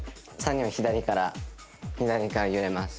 ３人は左から左から揺れます。